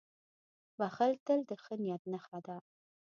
• بښل تل د ښه نیت نښه ده.